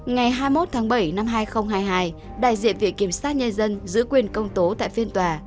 ngày hai mươi một tháng bảy năm hai nghìn hai mươi hai đại diện viện kiểm sát nhân dân giữ quyền công tố tại phiên tòa